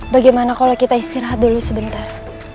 bagaimana kalau kita istirahat dulu sebentar